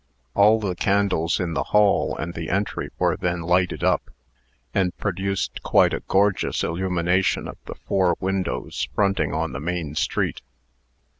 All the candles in the hall and the entry were then lighted up, and produced quite a gorgeous illumination of the four windows fronting on the main street.